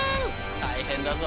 大変だぞ